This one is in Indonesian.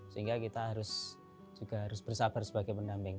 sehingga kita harus juga harus bersabar sebagai pendamping